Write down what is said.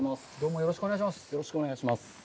よろしくお願いします。